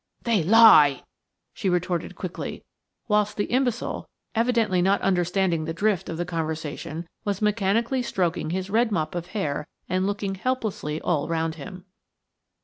"They lie!" she retorted quickly, whilst the imbecile, evidently not understanding the drift of the conversation, was mechanically stroking his red mop of hair and looking helplessly all round him.